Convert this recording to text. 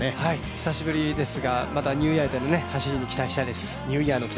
久しぶりですがまたニューイヤーでの走りに期待したいです。